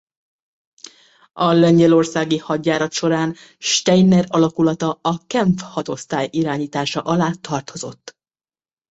A lengyelországi hadjárat során Steiner alakulata a Kempf-hadosztály irányítása alá tartozott.